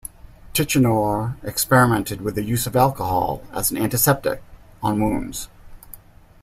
Tichenor experimented with the use of alcohol as an antiseptic on wounds.